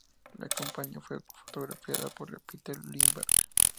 La campaña fue fotografiada por Peter Lindbergh.